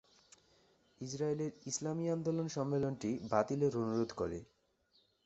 ইসরাইলের ইসলামী আন্দোলন সম্মেলনটি বাতিলের অনুরোধ করে।